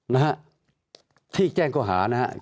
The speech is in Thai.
นะฮะที่แจ้งโกหานะฮะ